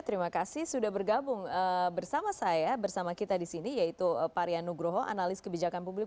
terima kasih sudah bergabung bersama saya bersama kita di sini yaitu parian nugroho analis kebijakan publik